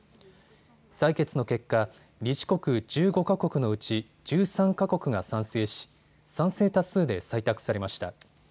採決の結果、理事国１５か国のうち１３か国が賛成し賛成多数で採択されました。